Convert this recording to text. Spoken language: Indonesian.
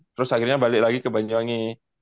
terus akhirnya balik lagi ke banyuwangi